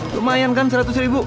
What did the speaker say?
lumayan kan seratus ribu